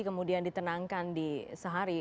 kemudian ditenangkan di sehari